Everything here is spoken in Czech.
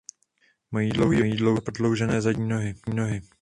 Mají dlouhý ocas a prodloužené zadní nohy.